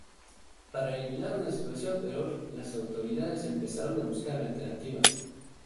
Para eliminar una situación peor, las autoridades empezaron a buscar alternativas.